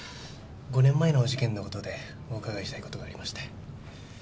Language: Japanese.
５年前の事件のことでお伺いしたいことがありまして。